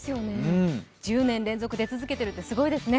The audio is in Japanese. １０年連続出続けてるってすごいですね。